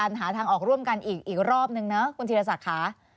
หาทางออกร่วมกันอีกรอบนึงนะคุณธีรศักดิ์ค่ะ